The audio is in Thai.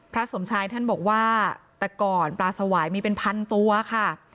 สมชายท่านบอกว่าแต่ก่อนปลาสวายมีเป็นพันตัวค่ะ